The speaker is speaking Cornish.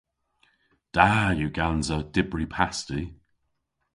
Da yw gansa dybri pasti.